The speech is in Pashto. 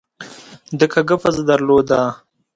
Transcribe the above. ده کږه پزه درلوده.